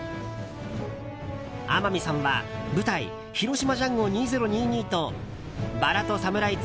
天海さんは舞台「広島ジャンゴ２０２２」と「薔薇とサムライ